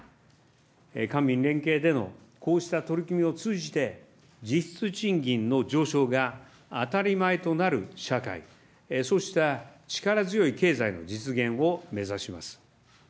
官民連携でのこうした取り組みを通じて、実質賃金の上昇が当たり前となる社会、そうした力強い経済の実現を目指します。